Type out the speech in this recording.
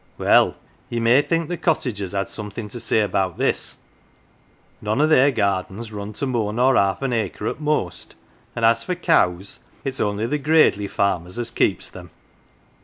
Well, ye may think the cottagers had something to say about this none of their gardens run to more nor half an acre at most, and as for cows, it's only the gradely farmers as keeps them.